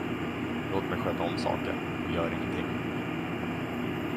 Låt mig sköta om saken, och gör ingenting.